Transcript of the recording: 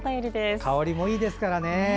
香りもいいですからね。